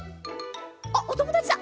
あっおともだちだ。